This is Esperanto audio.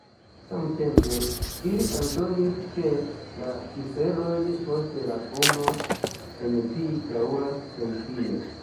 Samtempe, ili aldonis, ke la ciferoj post la komo en pi daŭras senfine.